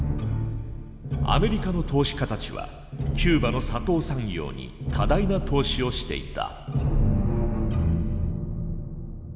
アメリカの投資家たちはキューバの砂糖産業に多大な投資をしていた。